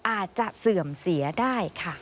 อาจจะเสื่อมเสียได้ค่ะ